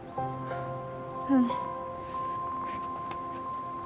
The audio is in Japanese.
うん。